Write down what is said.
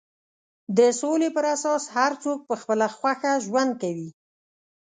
د سولې پر اساس هر څوک په خپله خوښه ژوند کوي.